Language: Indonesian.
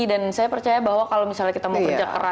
dan saya percaya bahwa kalau misalnya kita mau kerja keras